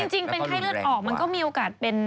จริงเป็นไข้เลือดออกมันก็มีโอกาสเป็น